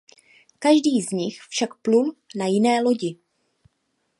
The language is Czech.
Každý z nich však plul na jiné lodi.